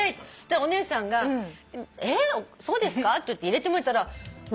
お姉さんが「えっそうですか？」って言って入れてみたら６９万なのやっぱり。